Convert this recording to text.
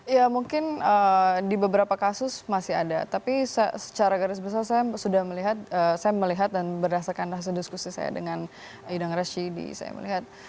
ya mungkin di beberapa kasus masih ada tapi secara garis besar saya sudah melihat saya melihat dan berdasarkan hasil diskusi saya dengan hidang rashidi saya melihat